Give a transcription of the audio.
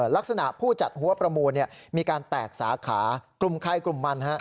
ลักษณะผู้จัดหัวประมูลมีการแตกสาขากลุ่มใครกลุ่มมัน